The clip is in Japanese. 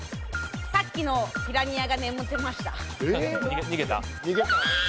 さっきのピラニアが眠ってました。